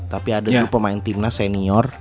tapi ada tuh pemain timnas senior